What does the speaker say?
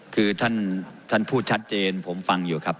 คือท่านพูดชัดเจนผมฟังอยู่ครับ